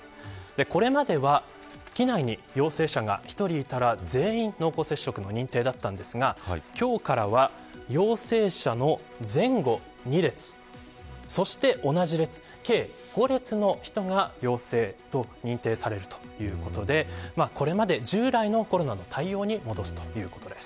これまでは機内に陽性者が１人いたら全員、濃厚接触者の認定だったんですが今日からは陽性者の前後２列そして同じ列計５列の人が陽性と認定されるということでこれまで従来のコロナの対応に戻すということです。